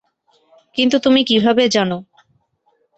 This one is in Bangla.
কিন্তু তুমি কীভাবে জানো?